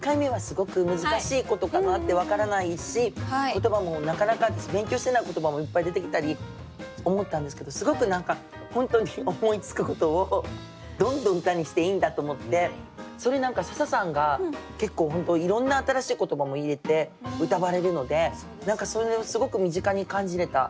言葉もなかなか勉強してない言葉もいっぱい出てきたり思ったんですけどすごく本当に思いつくことをどんどん歌にしていいんだと思ってそれに何か笹さんが結構本当いろんな新しい言葉も入れてうたわれるのでそれをすごく身近に感じれた